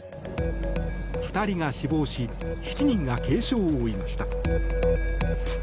２人が死亡し７人が軽傷を負いました。